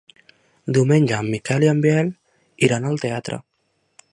Diumenge en Miquel i en Biel iran al teatre.